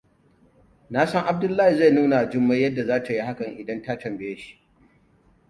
Nasan Abdullahi zai nunawa Jummai yadda zata yi hakan idan ta tambaye shi.